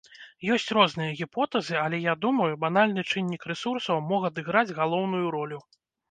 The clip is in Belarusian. Ёсць розныя гіпотэзы, але я думаю, банальны чыннік рэсурсаў мог адыграць галоўную ролю.